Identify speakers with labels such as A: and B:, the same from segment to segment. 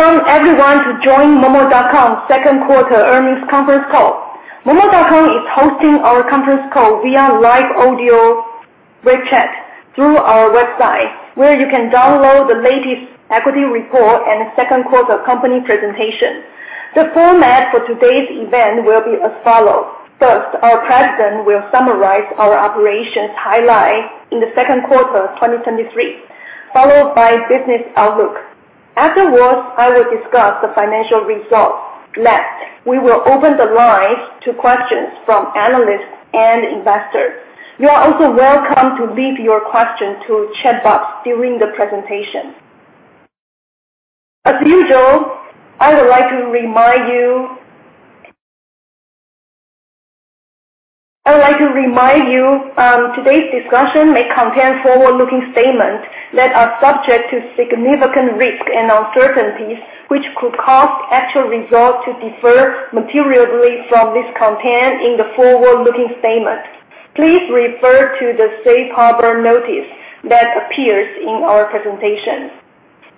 A: Welcome everyone to join momo.com second quarter earnings conference call. Momo.com is hosting our conference call via live audio web chat through our website, where you can download the latest equity report and the second quarter company presentation. The format for today's event will be as follows: First, our president will summarize our operations highlights in the second quarter of 2023, followed by business outlook. Afterwards, I will discuss the financial results. Next, we will open the lines to questions from analysts and investors. You are also welcome to leave your questions to chat box during the presentation. As usual, I would like to remind you, today's discussion may contain forward-looking statements that are subject to significant risk and uncertainties, which could cause actual results to differ materially from this contained in the forward-looking statement. Please refer to the safe harbor notice that appears in our presentation.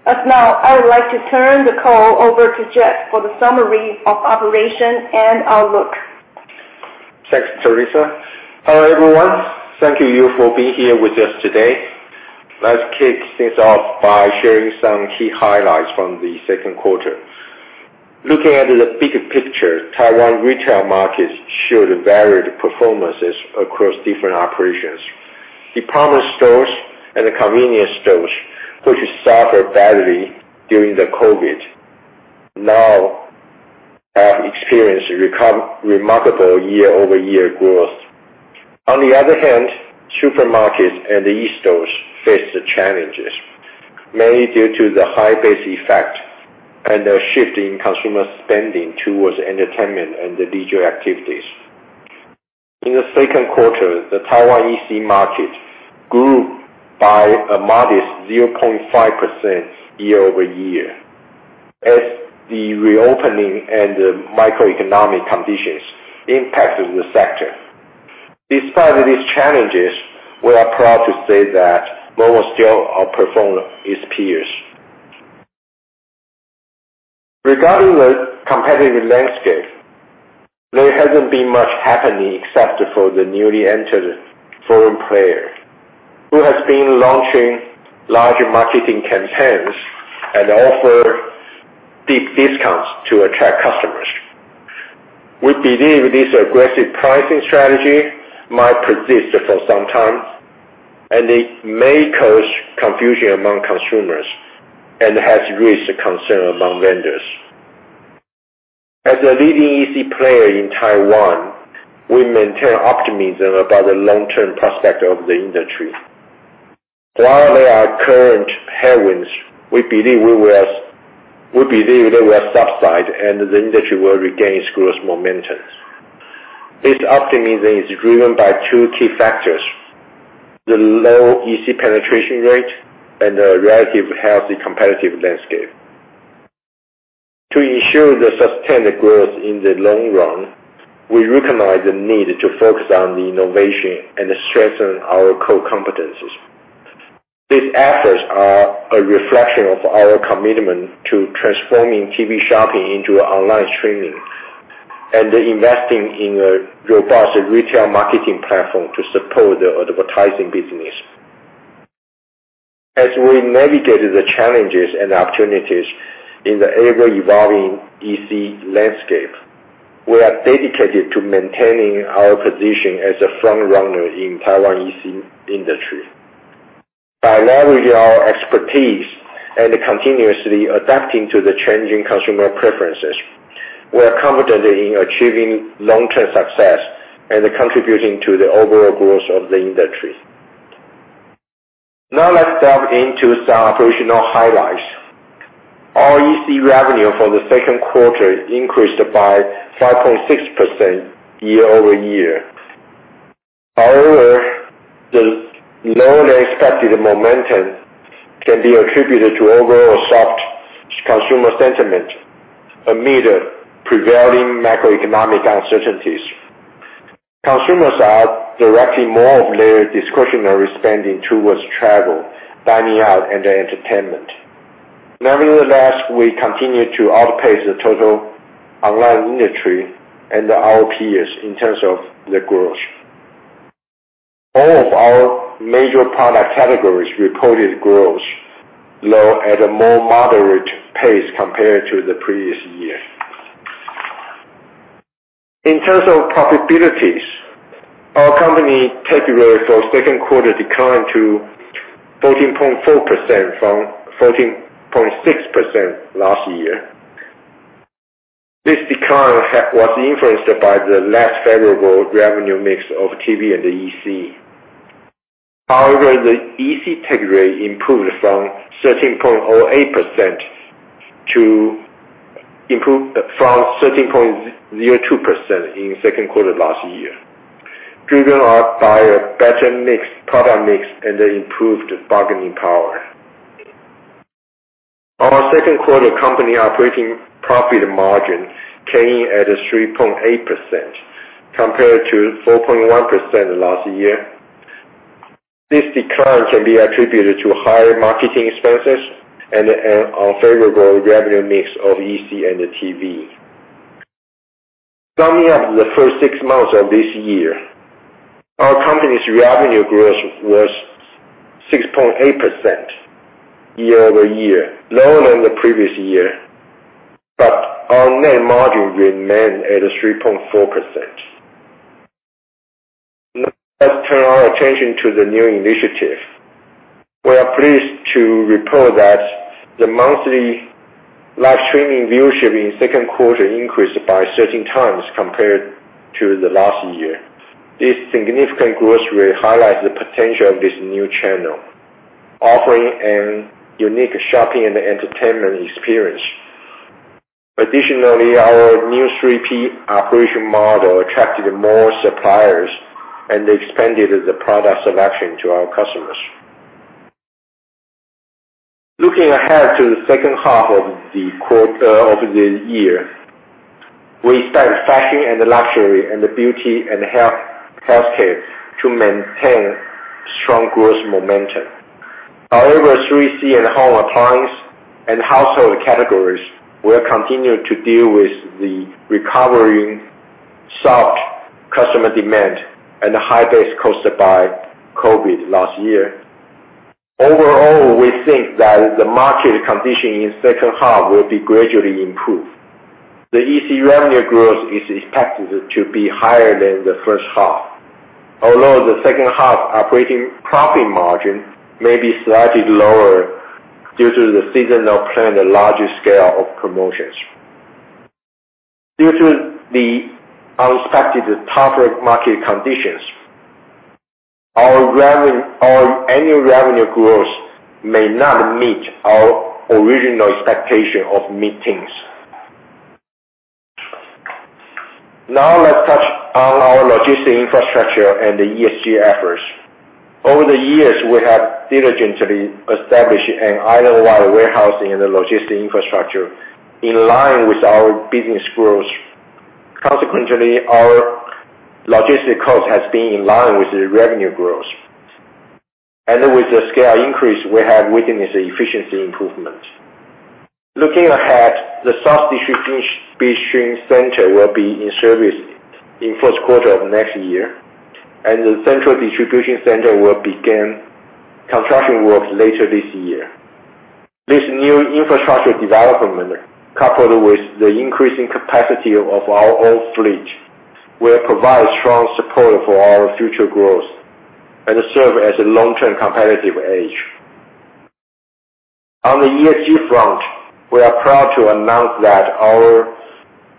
A: As now, I would like to turn the call over to Jeff for the summary of operation and outlook.
B: Thanks, Manisha. Hello, everyone. Thank you for being here with us today. Let's kick things off by sharing some key highlights from the second quarter. Looking at the big picture, Taiwan retail markets showed varied performances across different operations. Department stores and convenience stores, which suffered badly during the COVID, now have experienced remarkable year-over-year growth. On the other hand, supermarkets and e stores faced challenges, mainly due to the high base effect and a shift in consumer spending towards entertainment and leisure activities. In the second quarter, the Taiwan EC market grew by a modest 0.5% year-over-year, as the reopening and the microeconomic conditions impacted the sector. Despite these challenges, we are proud to say that Momo still outperformed its peers. Regarding the competitive landscape, there hasn't been much happening except for the newly entered foreign player, who has been launching large marketing campaigns and offer big discounts to attract customers. We believe this aggressive pricing strategy might persist for some time, and it may cause confusion among consumers and has raised concern among vendors. As a leading EC player in Taiwan, we maintain optimism about the long-term prospect of the industry. While there are current headwinds, we believe they will subside and the industry will regain its growth momentum. This optimism is driven by two key factors, the low EC penetration rate and a relative healthy competitive landscape. To ensure the sustained growth in the long run, we recognize the need to focus on innovation and strengthen our core competencies. These efforts are a reflection of our commitment to transforming TV shopping into online streaming and investing in a robust retail marketing platform to support the advertising business. As we navigate the challenges and opportunities in the ever-evolving EC landscape, we are dedicated to maintaining our position as a front runner in Taiwan EC industry. By leveraging our expertise and continuously adapting to the changing consumer preferences, we are confident in achieving long-term success and contributing to the overall growth of the industry. Now, let's dive into some operational highlights. Our EC revenue for the second quarter increased by 5.6% year-over-year. However, the lower-than-expected momentum can be attributed to overall soft consumer sentiment amid prevailing macroeconomic uncertainties. Consumers are directing more of their discretionary spending towards travel, dining out, and entertainment. Nevertheless, we continue to outpace the total online industry and our peers in terms of the growth. All of our major product categories reported growth, though at a more moderate pace compared to the previous year. In terms of profitabilities, our company take rate for second quarter declined to 14.4% from 14.6% last year. This decline was influenced by the less favorable revenue mix of TV and EC. However, the EC take rate improved from 13.08% to improve from 13.02% in second quarter last year, driven up by a better mix, product mix and improved bargaining power. Our second quarter company operating profit margin came in at 3.8%, compared to 4.1% last year. This decline can be attributed to higher marketing expenses and unfavorable revenue mix of EC and the TV. Summing up the first six months of this year, our company's revenue growth was 6.8% year-over-year, lower than the previous year, but our net margin remained at 3.4%. Let's turn our attention to the new initiative. We are pleased to report that the monthly live streaming viewership in second quarter increased by 13 times compared to the last year. This significant growth rate highlights the potential of this new channel, offering an unique shopping and entertainment experience. Additionally, our new 3P operation model attracted more suppliers and expanded the product selection to our customers. Looking ahead to the second half of the quarter, of the year, we expect fashion and luxury and beauty and healthcare to maintain strong growth momentum. However, 3C and home appliance and household categories will continue to deal with the recovering soft customer demand and the high base caused by COVID last year. Overall, we think that the market condition in second half will be gradually improved. The EC revenue growth is expected to be higher than the first half, although the second half operating profit margin may be slightly lower due to the seasonal plan and larger scale of promotions. Due to the unexpected tougher market conditions, our revenue, our annual revenue growth may not meet our original expectation of mid-teens. Now let's touch on our logistic infrastructure and the ESG efforts. Over the years, we have diligently established an island-wide warehousing and logistic infrastructure in line with our business growth. Consequently, our logistic cost has been in line with the revenue growth. With the scale increase, we have witnessed efficiency improvement. Looking ahead, the south distribution center will be in service in first quarter of next year, and the central distribution center will begin construction works later this year. This new infrastructure development, coupled with the increasing capacity of our own fleet, will provide strong support for our future growth and serve as a long-term competitive edge. On the ESG front, we are proud to announce that our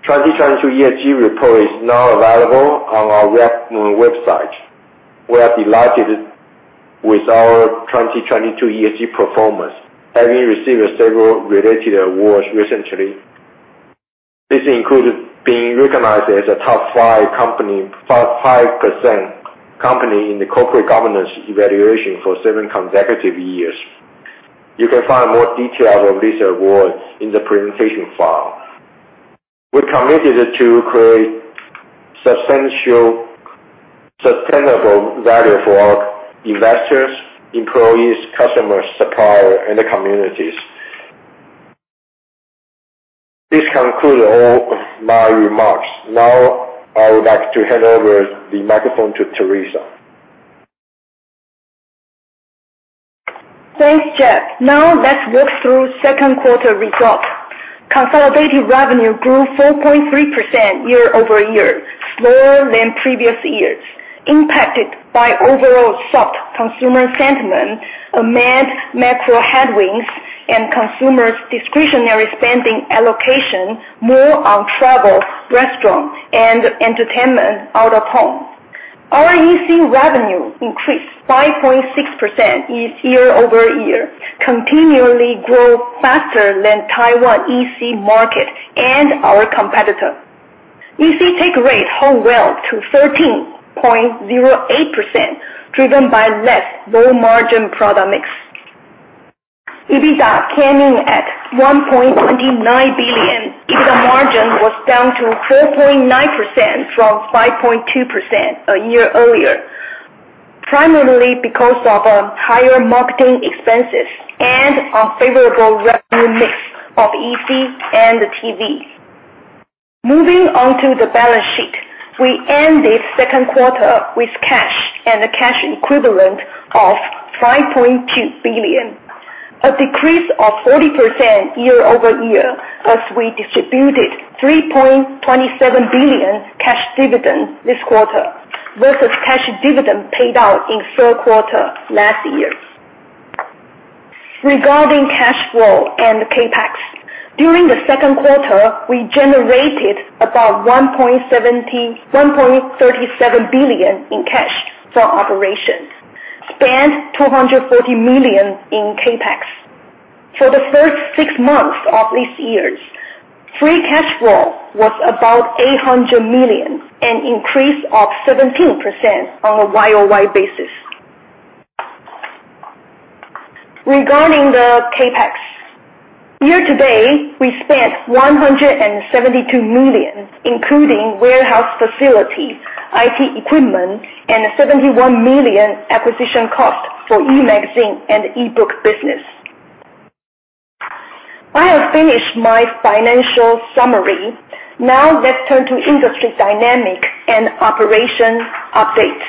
B: transition to ESG report is now available on our website. We are delighted with our 2022 ESG performance, having received several related awards recently. This included being recognized as a top 5% company in the corporate governance evaluation for seven consecutive years. You can find more details of these awards in the presentation file. We're committed to create substantial, sustainable value for our investors, employees, customers, suppliers, and the communities. This concludes all my remarks. Now, I would like to hand over the microphone to Manisha.
A: Thanks, Jeff. Let's walk through second quarter results. Consolidated revenue grew 4.3% year-over-year, slower than previous years, impacted by overall soft consumer sentiment, amid macro headwinds and consumers discretionary spending allocation more on travel, restaurant, and entertainment out of home. Our EC revenue increased 5.6% year-over-year, continually grow faster than Taiwan EC market and our competitor. EC take rate hold well to 13.08%, driven by less low-margin product mix. EBITDA came in at TWD 1.29 billion. EBITDA margin was down to 4.9% from 5.2% a year earlier, primarily because of higher marketing expenses and unfavorable revenue mix of EC and the TV. Moving on to the balance sheet. We ended second quarter with cash and the cash equivalent of $5.2 billion, a decrease of 40% year-over-year, as we distributed $3.27 billion cash dividend this quarter versus cash dividend paid out in third quarter last year. Regarding cash flow and CapEx, during the second quarter, we generated about $1.37 billion in cash from operations, spent $240 million in CapEx. For the first six months of this year, free cash flow was about $800 million, an increase of 17% on a Y-O-Y basis. Regarding the CapEx, year-to-date, we spent $172 million, including warehouse facilities, IT equipment, and a $71 million acquisition cost for e-magazine and eBook business. I have finished my financial summary. Now let's turn to industry dynamic and operations update.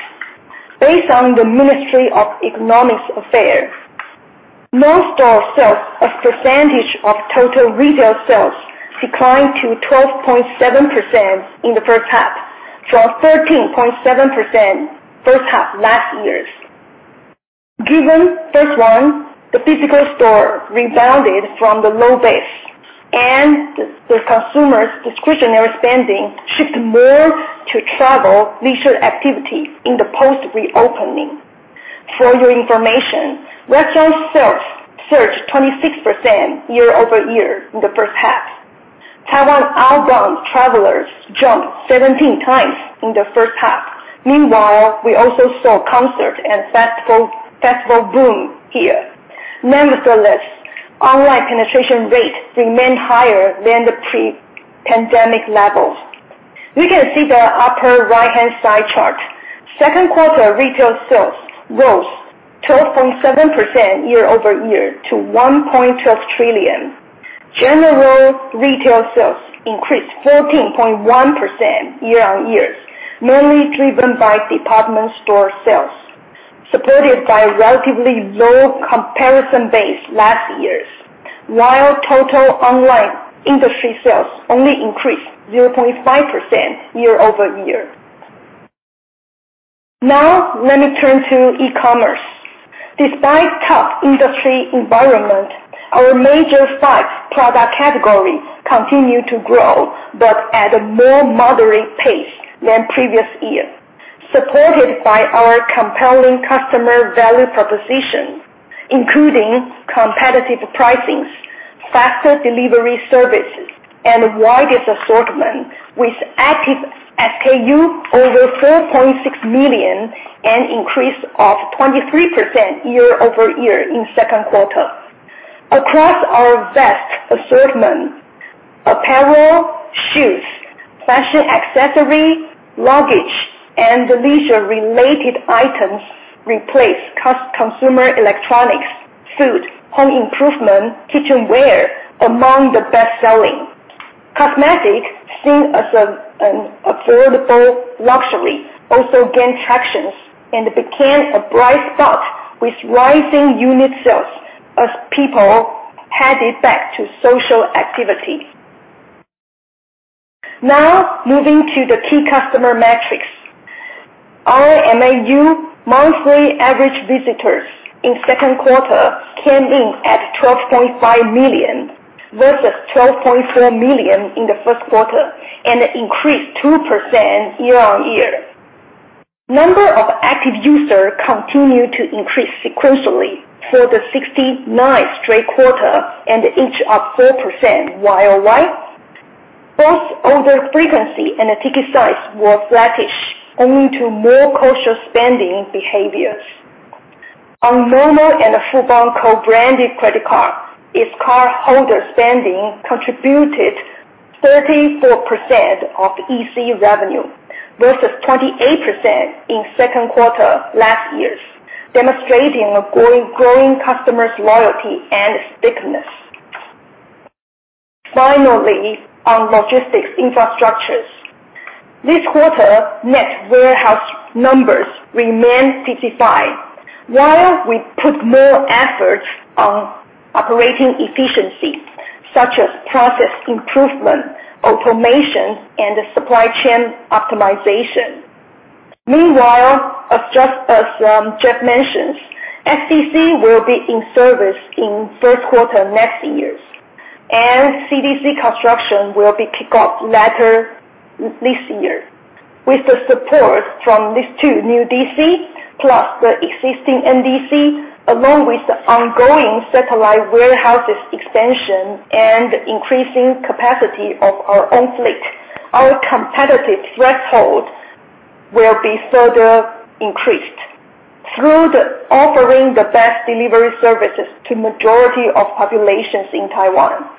A: Based on the Ministry of Economic Affairs, non-store sales as percentage of total retail sales declined to 12.7% in the first half, from 13.7% first half last year's. Given, first one, the physical store rebounded from the low base, and the consumers discretionary spending shifted more to travel leisure activities in the post-reopening. For your information, restaurant sales surged 26% year-over-year in the first half. Taiwan outbound Travelers jumped 17 times in the first half. Meanwhile, we also saw concert and festival boom here. Nevertheless, online penetration rate remained higher than the pre-pandemic levels. We can see the upper right-hand side chart. Second quarter retail sales rose 12.7% year-over-year to 1.12 trillion. General retail sales increased 14.1% year-on-year, mainly driven by department store sales, supported by relatively low comparison base last year's. While total online industry sales only increased 0.5% year-over-year. Now let me turn to e-commerce. Despite tough industry environment, our major five product categories continue to grow, but at a more moderate pace than previous years, supported by our compelling customer value proposition, including competitive pricings, faster delivery services, and widest assortment with active SKU over 4.6 million, an increase of 23% year-over-year in second quarter. Across our vast assortment, apparel, shoes, fashion accessory, luggage, and leisure related items replace consumer electronics, food, home improvement, kitchenware among the best selling. Cosmetic, seen as an affordable luxury, also gained tractions and became a bright spot with rising unit sales as people headed back to social activity. Now, moving to the key customer metrics. Our MAU, monthly average visitors in second quarter came in at 12.5 million, versus 12.4 million in the first quarter, and increased 2% year-on-year. Number of active user continued to increase sequentially for the 69 straight quarter and each up 4%, while light. Both order frequency and the ticket size were flattish, owing to more cautious spending behaviors. On Momo and Fubon co-branded credit card, its cardholder spending contributed 34% of EC revenue, versus 28% in second quarter last year's, demonstrating a growing, growing customers loyalty and stickiness. Finally, on logistics infrastructures. This quarter, net warehouse numbers remained 65, while we put more effort on operating efficiency, such as process improvement, automation, and supply chain optimization. Meanwhile, as just as Jeff mentions, SDC will be in service in first quarter next year, and CDC construction will be pick up later this year. With the support from these two new D.C. plus the existing NDC, along with the ongoing satellite warehouses expansion and increasing capacity of our own fleet, our competitive threshold will be further increased through the offering the best delivery services to majority of populations in Taiwan.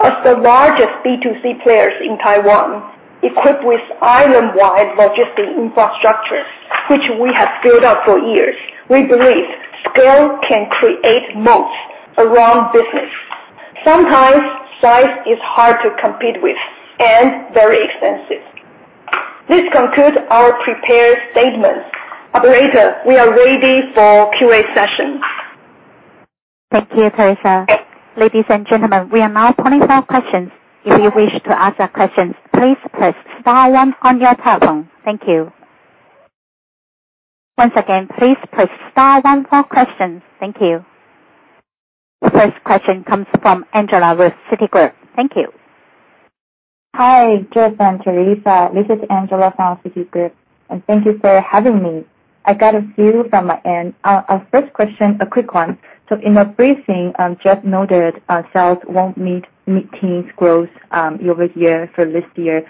A: As the largest B2C players in Taiwan, equipped with island-wide logistic infrastructure, which we have scaled up for years, we believe scale can create most around business. Sometimes size is hard to compete with and very expensive. This concludes our prepared statements. Operator, we are ready for QA session.
C: Thank you, Marisha. Ladies and gentlemen, we are now opening for questions. If you wish to ask a question, please press star one on your telephone. Thank you. Once again, please press star one for questions. Thank you. The first question comes from Angela with Citigroup. Thank you.
D: Hi, Jeff and Marisha. This is Angela from Citigroup. Thank you for having me. I got a few from my end. Our first question, a quick one. In the briefing, Jeff noted our sales won't meet mid-teens growth year-over-year for this year.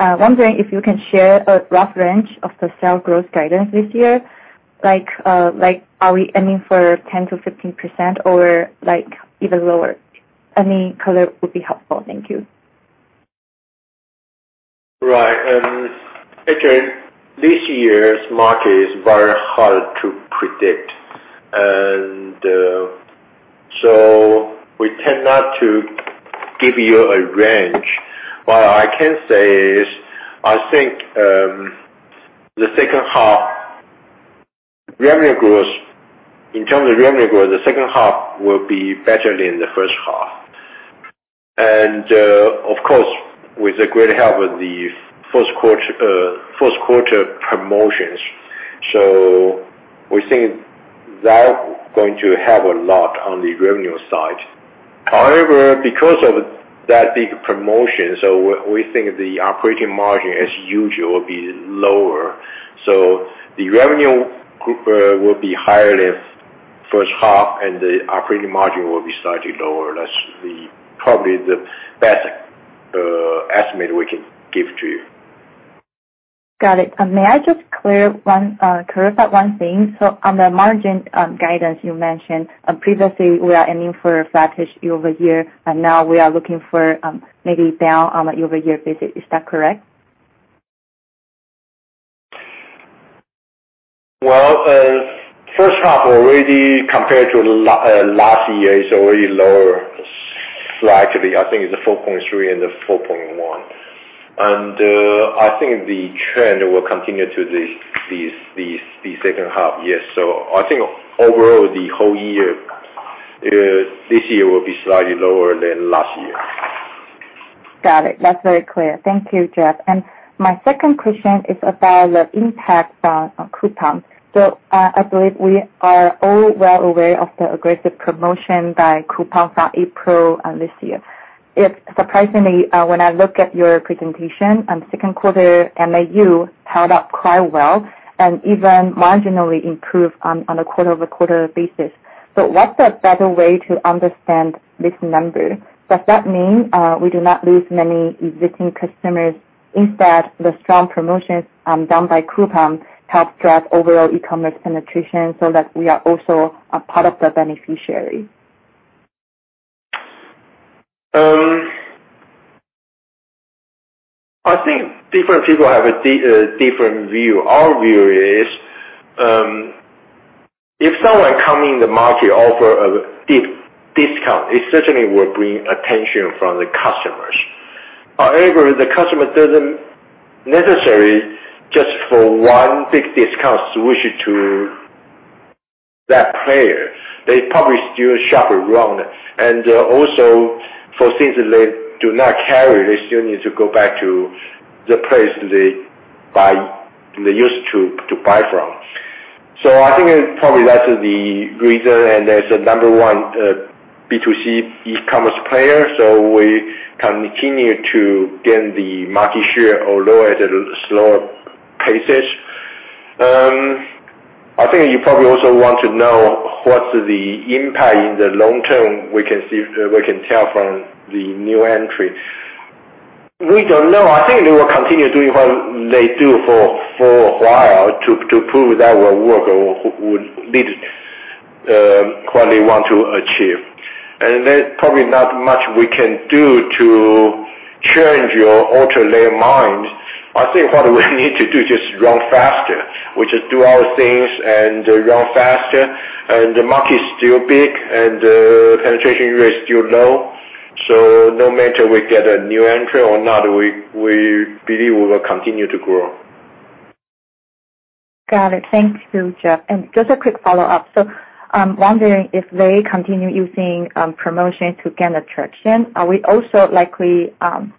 D: Wondering if you can share a rough range of the sales growth guidance this year. Like, are we aiming for 10%-15% or, like, even lower? Any color would be helpful. Thank you.
B: Right. Again, this year's market is very hard to predict, we tend not to give you a range. What I can say is, I think, the second half revenue growth, in terms of revenue growth, the second half will be better than the first half. Of course, with the great help of the first quarter, first quarter promotions. We think that going to help a lot on the revenue side. Because of that big promotion, we, we think the operating margin, as usual, will be lower. The revenue group will be higher than first half, and the operating margin will be slightly lower. That's probably the best estimate we can give to you.
D: Got it. May I just clear one, clarify one thing? On the margin, guidance you mentioned, previously we are aiming for a flattish year-over-year, and now we are looking for, maybe down on a year-over-year basis. Is that correct?
B: Well, first half already compared to last year, is already lower, slightly. I think it's a 4.3 and a 4.1. I think the trend will continue to the second half, yes. I think overall, the whole year, this year will be slightly lower than last year.
D: Got it. That's very clear. Thank you, Jeff. My second question is about the impact on Coupang. I believe we are all well aware of the aggressive promotion by Coupang from April this year. It's surprisingly, when I look at your presentation, on second quarter, MAU held up quite well and even marginally improved on a quarter-over-quarter basis. What's a better way to understand this number? Does that mean we do not lose many existing customers, instead, the strong promotions done by Coupang help drive overall e-commerce penetration so that we are also a part of the beneficiary?
B: I think different people have a different view. Our view is, if someone come in the market offer a deep discount, it certainly will bring attention from the customers. However, the customer doesn't necessarily just for one big discount switch to that player. They probably still shop around. Also, for things that they do not carry, they still need to go back to the place they buy, they used to, to buy from. I think probably that's the reason, and as the number one B2C e-commerce player, we continue to gain the market share, although at a slower paces. I think you probably also want to know what's the impact in the long term, we can tell from the new entry. We don't know. I think they will continue doing what they do for, for a while to, to prove that will work or would lead what they want to achieve. There's probably not much we can do to change or, or alter their mind. I think what we need to do just run faster, which is do our things and run faster, and the market is still big and the penetration rate is still low. No matter we get a new entry or not, we, we believe we will continue to grow.
D: Got it. Thank you, Jeff. Just a quick follow-up. Wondering if they continue using promotion to gain attraction, are we also likely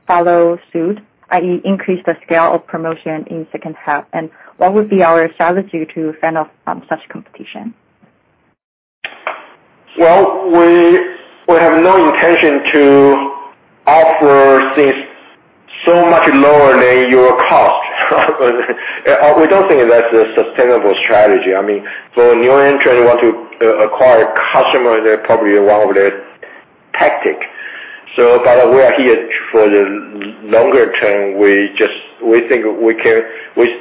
D: follow suit, i.e., increase the scale of promotion in second half? What would be our strategy to fend off such competition?
B: Well, we, we have no intention to offer things so much lower than your cost. We don't think that's a sustainable strategy. I mean, for a new entrant, want to acquire customer, they're probably one of their tactic. But we are here for the longer term. We just, we think we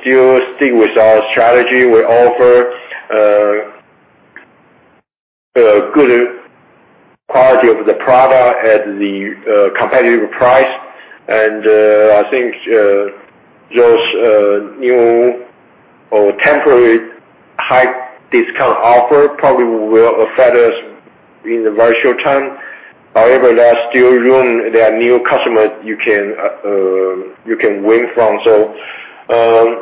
B: still stick with our strategy. We offer a good quality of the product at the competitive price. I think, just, new or temporary high discount offer probably will affect us in a very short time. However, there are still room, there are new customers you can win from.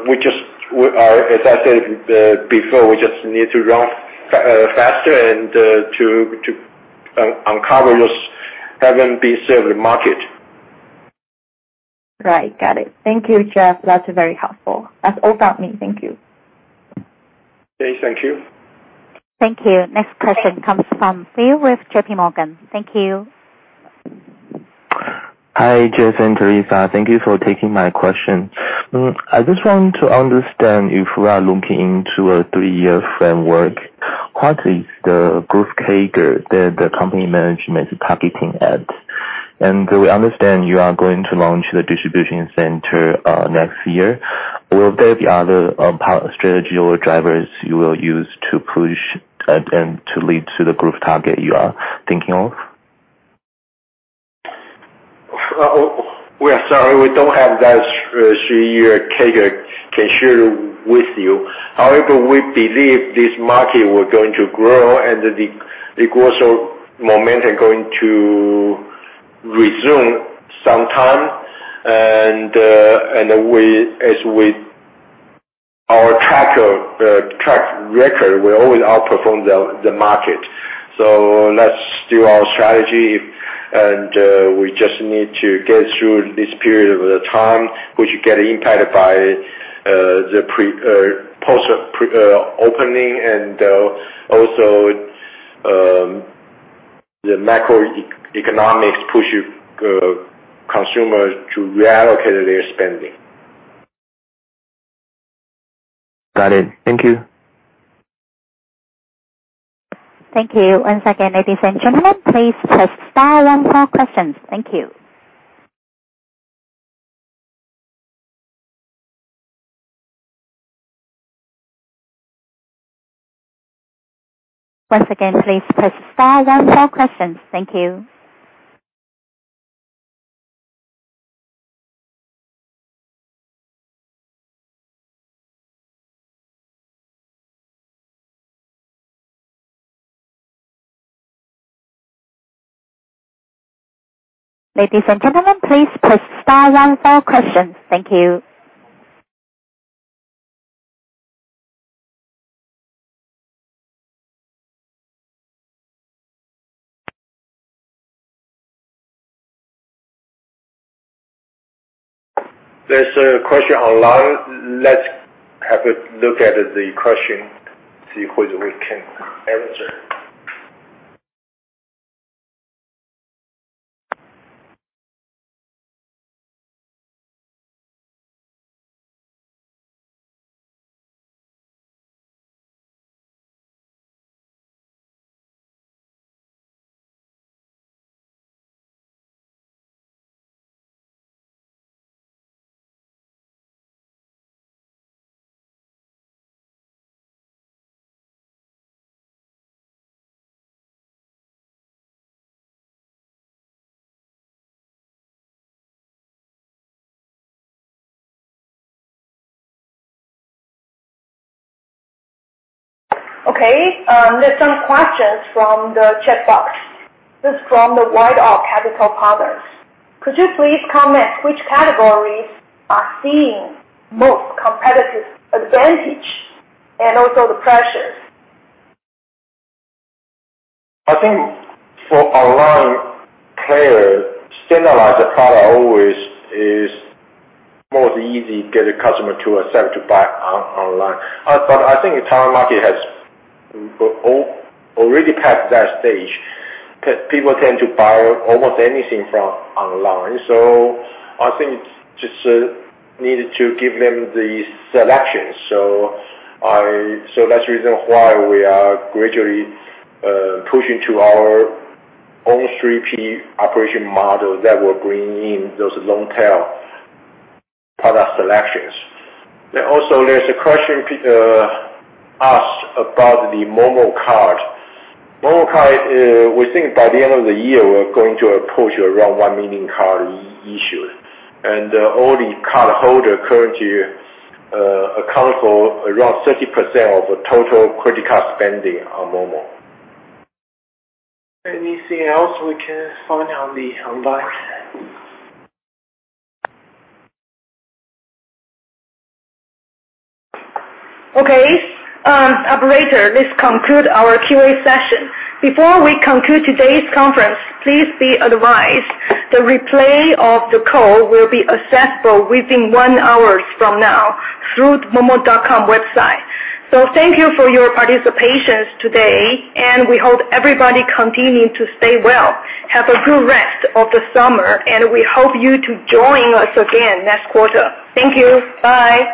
B: We just, we are, as I said before, we just need to run faster and to uncover this haven't been served market.
D: Right. Got it. Thank you, Jeff. That's very helpful. That's all from me. Thank you.
B: Okay. Thank you.
C: Thank you. Next question comes from Phil with JPMorgan. Thank you.
E: Hi, Jeff and Marisha. Thank you for taking my question. I just want to understand if we are looking into a three-year framework. What is the growth CAGR that the company management is targeting at? We understand you are going to launch the distribution center next year. Will there be other strategy or drivers you will use to push and, and to lead to the growth target you are thinking of?
B: We are sorry, we don't have that three-year CAGR to share with you. We believe this market we're going to grow and the growth momentum going to resume sometime. As our tracker, track record, we always outperform the market. Let's do our strategy, and we just need to get through this period of the time, which get impacted by the pre, post, pre opening and also the macro e-economics push consumers to reallocate their spending.
E: Got it. Thank you.
C: Thank you. One second, ladies and gentlemen, please press star one for questions. Thank you. Once again, please press star one for questions. Thank you. Ladies and gentlemen, please press star one for questions. Thank you. There's a question online. Let's have a look at the question, see what we can answer. Okay, there's some questions from the chat box. This is from the White Oak Capital Partners. Could you please comment which categories are seeing most competitive advantage and also the pressures?
F: I think for online players, standardized product always is more easy to get a customer to accept to buy online. But I think the entire market has already passed that stage. 'Cause people tend to buy almost anything from online. I think it's just needed to give them the selection. That's the reason why we are gradually pushing to our own 3PL operation model that will bring in those long tail product selections. Also there's a question asked about the Momo Card. Momo Card, we think by the end of the year, we're going to approach around 1 million card issued, and all the cardholder currently account for around 30% of the total credit card spending on Momo.
B: Anything else we can find on the online?
A: Okay, operator, this conclude our QA session. Before we conclude today's conference, please be advised the replay of the call will be accessible within one hour from now through the momo.com website. Thank you for your participations today, and we hope everybody continue to stay well. Have a good rest of the summer, and we hope you to join us again next quarter. Thank you. Bye.